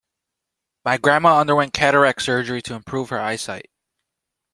My grandma underwent cataract surgery to improve her eyesight.